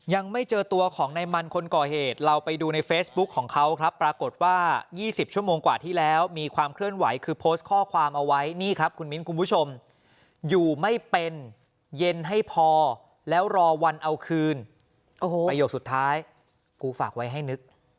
ยังไม่เจอตัวของในมันคนก่อเหตุเราไปดูในเฟซบุ๊คของเขาครับปรากฏว่า๒๐ชั่วโมงกว่าที่แล้วมีความเคลื่อนไหวคือโพสต์ข้อความเอาไว้นี่ครับคุณมิ้นคุณผู้ชมอยู่ไม่เป็นเย็นให้พอแล้วรอวันเอาคืนประโยคสุดท้ายกูฝากไว้ให้นึก